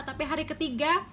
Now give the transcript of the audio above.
tapi hari ketiga